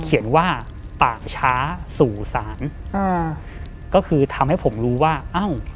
เขียนว่าป่าช้าสู่ศาลอ่าก็คือทำให้ผมรู้ว่าเอ้า